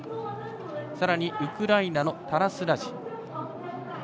さらにウクライナのタラス・ラジ。